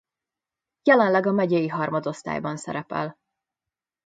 Jelenleg a megyei harmadosztályban szerepel.